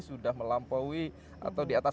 sudah melampaui atau di atas